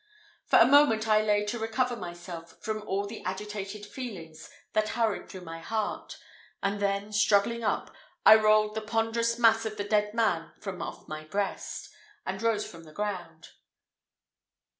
For a moment I lay to recover myself from all the agitated feelings that hurried through my heart, and then struggling up, I rolled the ponderous mass of the dead man from off my breast, and rose from the ground.